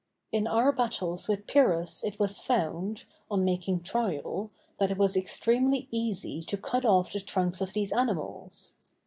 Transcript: In our battles with Pyrrhus it was found, on making trial, that it was extremely easy to cut off the trunks of these animals.